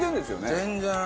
全然。